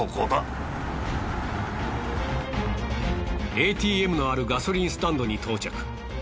ＡＴＭのあるガソリンスタンドに到着。